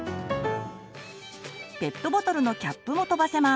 ペットボトルのキャップも飛ばせます。